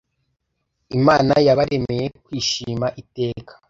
imana yabaremeye kwishima iteka